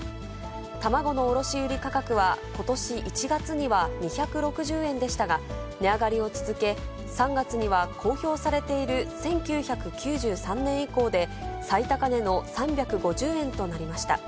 卵の卸売り価格はことし１月には２６０円でしたが、値上がりを続け、３月には公表されている１９９３年以降で、最高値の３５０円となりました。